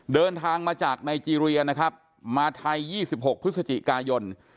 เดินทางมาจากไนเจรียนะครับมาไทย๒๖พฤศจิกายน